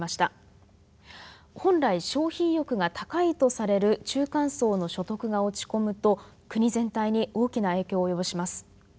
本来消費意欲が高いとされる中間層の所得が落ち込むと国全体に大きな影響を及ぼします。